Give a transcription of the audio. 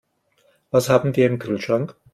Was haben wir im Kühlschrank?